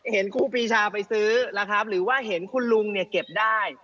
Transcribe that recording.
ครูปีชาไปซื้อนะครับหรือว่าเห็นคุณลุงเนี่ยเก็บได้